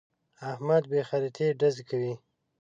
احمد بې خريطې ډزې کوي.